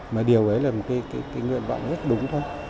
mà điều ấy là một cái nguyện vọng rất đúng thôi